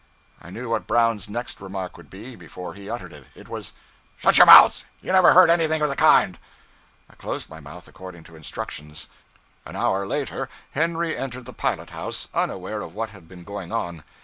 I knew what Brown's next remark would be, before he uttered it; it was 'Shut your mouth! you never heard anything of the kind.' I closed my mouth according to instructions. An hour later, Henry entered the pilot house, unaware of what had been going on.